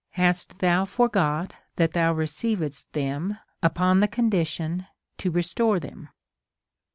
Hast thou forgot that thou receivedst them upon the condition to re store them